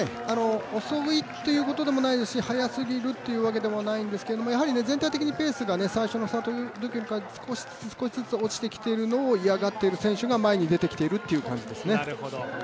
遅いっていうことでもないですし、早すぎるっていうわけでもないんですけど、やはり全体的にペースが最初のスタートよりも少しずつ落ちてきてるのを嫌がっている選手が前に出てきているという感じですね。